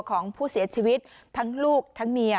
ของผู้เสียชีวิตทั้งลูกทั้งเมีย